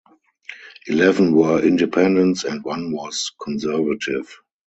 Eleven were Independents and one was Conservative.